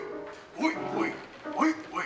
おいおいおいおい。